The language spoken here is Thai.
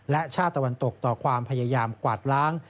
และชาติตะวันตกต่อความพยายามกวาดล้าง